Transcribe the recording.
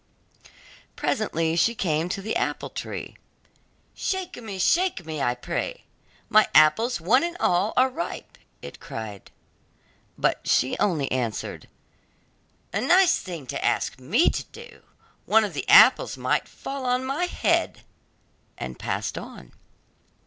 Presently she came to the apple tree. 'Shake me, shake me, I pray; my apples, one and all, are ripe,' it cried. But she only answered, 'A nice thing to ask me to do, one of the apples might fall on my head,' and passed on.